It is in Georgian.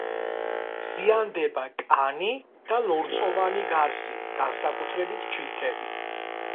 ზიანდება კანი და ლორწოვანი გარსი, განსაკუთრებით ჩლიქები.